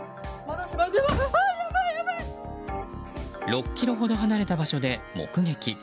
６ｋｍほど離れた場所で目撃。